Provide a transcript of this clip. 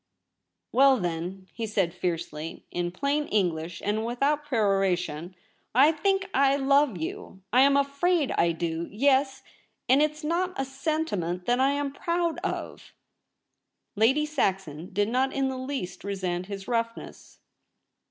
* Well then,' he said fiercely, * in plain English and without peroration, I ^Azn^ I 230 THE REBEL ROSE. love you — I am afraid I do — yes, and it's not a sentiment that I'm proud of.' Lady Saxon did not in the least resent his roughness.